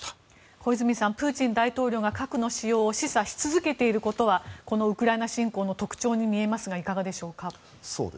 小泉さんプーチン大統領が核の使用を示唆し続けていることはこのウクライナ侵攻の特徴に見えますがいかがでしょうか。